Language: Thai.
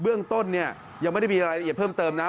เรื่องต้นเนี่ยยังไม่ได้มีรายละเอียดเพิ่มเติมนะ